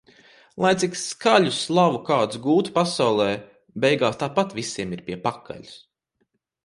Lai cik skaļu slavu kāds gūtu pasaulē - beigās tāpat visiem ir pie pakaļas.